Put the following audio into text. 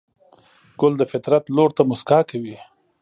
ګل د فطرت لور ته موسکا کوي.